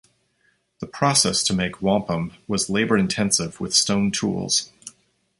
The process to make wampum was labor-intensive with stone tools.